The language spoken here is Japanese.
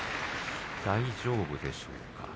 大丈夫でしょうか。